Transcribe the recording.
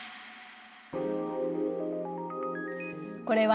これはね